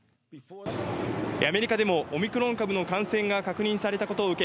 アメリカでもオミクロン株の感染が確認されたことを受け